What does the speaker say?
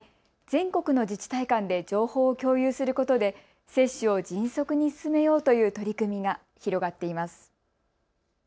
最新のデジタル技術を使い全国の自治体間で情報を共有することで接種を迅速に進めようという取り組みが広がっています。